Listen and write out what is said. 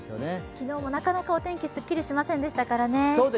昨日もなかなかお天気、すっきりしませんでしたからね。